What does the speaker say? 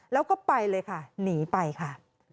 แล้วก็ไปเลยค่ะหนีไปค่ะ